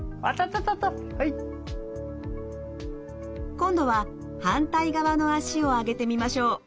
今度は反対側の脚を上げてみましょう。